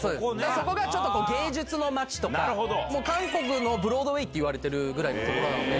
そこがちょっと芸術の街とか、韓国のブロードウェイって言われてるぐらいの所なので。